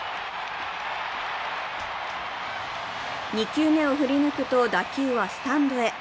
２球目を振り抜くと、打球はスタンドへ。